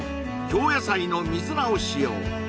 京野菜の水菜を使用